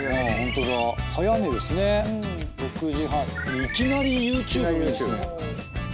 いきなりＹｏｕＴｕｂｅ見るんですね。